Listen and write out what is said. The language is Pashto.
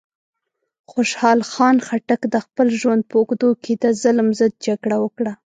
خوشحال خان خټک د خپل ژوند په اوږدو کې د ظلم ضد جګړه وکړه.